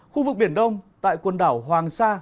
khu vực biển đông tại quần đảo hoàng sa